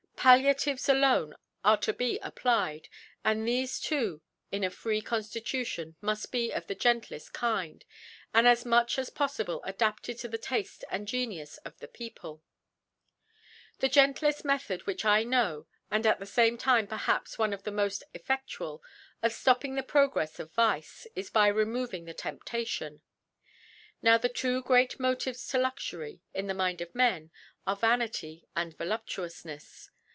Palliatives alone are to be applied ; and thefe too in a free Con * fihution muft be of the gendeft Kind, and as much as poffible adapted tp the Tafte and Genius of the People. The ( 9) The gent]e£k Method which I know, and at the fame Time perhaps one of the moft eflfe6bual, of flopping the Pnogrefs of Vice, is by removing the Temptation. Now the two great Motiires to Luxury, in the Mind of Man, are Vanity and Voluptuoufneis.